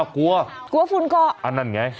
กลัวฝุ่นเกาะ